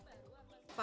dari kota bandung kembali